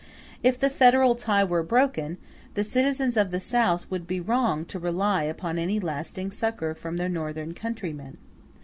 If the federal tie were broken, the citizens of the South would be wrong to rely upon any lasting succor from their Northern countrymen.